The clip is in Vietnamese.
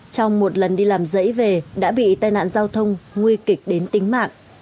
trong một lần đi làm dãy về đã bị tai nạn giao thông nguy kịch đến tính mạng